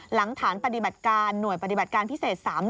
หลังฐานปฏิบัติการหน่วยปฏิบัติการพิเศษ๓๑